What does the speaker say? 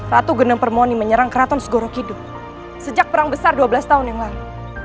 ratu geneng permoni menyerang keraton segoro kidu sejak perang besar dua belas tahun yang lalu